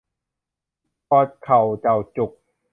กอดเข่าเจ่าจุก